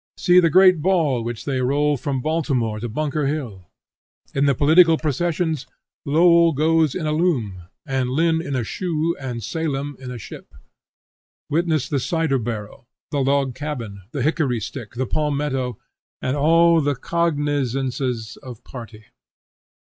See the great ball which they roll from Baltimore to Bunker hill! In the political processions, Lowell goes in a loom, and Lynn in a shoe, and Salem in a ship. Witness the cider barrel, the log cabin, the hickory stick, the palmetto, and all the cognizances of party.